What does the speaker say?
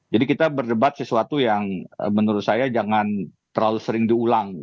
jadi kita berdebat sesuatu yang menurut saya jangan terlalu sering diulang